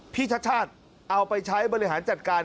ที่ชัดเอาไปใช้บริหารจัดการ